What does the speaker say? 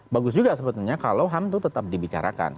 bagus juga sebetulnya kalau ham itu tetap dibicarakan